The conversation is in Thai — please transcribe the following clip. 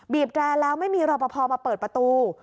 แกรแล้วไม่มีรอปภมาเปิดประตู